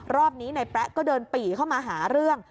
รอบนี้นายแป๊ะก็เดินปี่เข้ามาหาเรื่อง